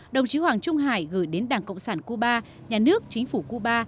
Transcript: đồng chí hoàng trung hải gửi đến đảng cộng sản cuba nhà nước chính phủ cuba